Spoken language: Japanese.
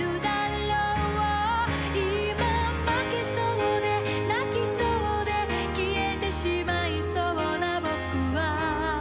「今負けそうで泣きそうで消えてしまいそうな僕は」